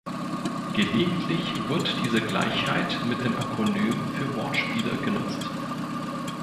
Gelegentlich wird diese Gleichheit mit dem Akronym für Wortspiele genutzt.